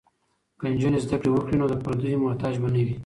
که نجونې زده کړې وکړي نو د پردیو محتاج به نه وي.